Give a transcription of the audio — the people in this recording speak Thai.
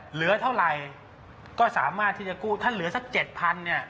เหลือเท่าไหร่ก็สามารถที่จะกู้ถ้าเหลือสักเจ็ดพันเนี่ย